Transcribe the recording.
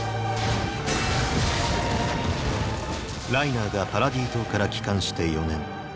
⁉ライナーがパラディ島から帰還して４年。